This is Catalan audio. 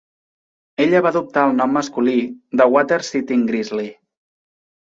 Ella va adoptar el nom masculí de Water Sitting Grizzly.